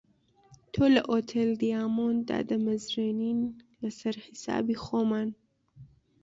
تۆ لە ئوتێل دیامۆند دادەمەزرێنین لەسەر حیسابی خۆمان